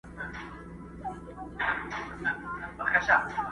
تر شهپر یې لاندي کړی سمه غر دی؛